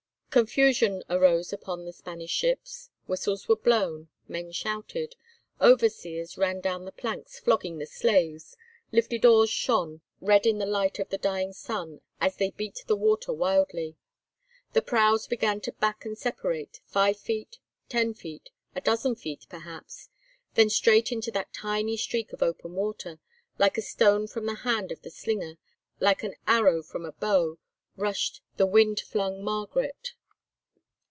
Confusion arose upon the Spanish ships, whistles were blown, men shouted, overseers ran down the planks flogging the slaves, lifted oars shone red in the light of the dying sun as they beat the water wildly. The prows began to back and separate, five feet, ten feet, a dozen feet perhaps; then straight into that tiny streak of open water, like a stone from the hand of the slinger, like an arrow from a bow, rushed the wind flung Margaret.